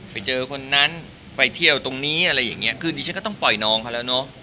ไปเจอคนนั้นไปเที่ยวตรงนี้อะไรอย่างเงี้คือดิฉันก็ต้องปล่อยน้องเขาแล้วเนอะ